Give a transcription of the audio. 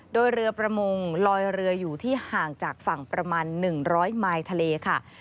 โดยเรือประมงลอยเรืออยู่ที่ห่างจากฝั่งประมาณ๑๐๐มายทะเลค่ะ